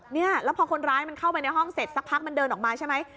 เนี่ยแล้วพอคนร้ายมันเข้าไปในห้องเสร็จสักพักมันเดินออกมาใช่ไหม